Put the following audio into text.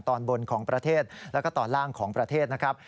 ตอนบนของประเทศแล้วก็ตอนล่างของประเทศนะครับ